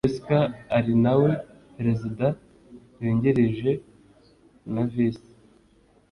wscr ari nawe perezida yungirijwe na visi